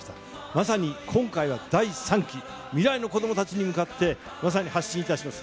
まさに今回は第３期、未来の子どもたちに向かってまさに発信いたします。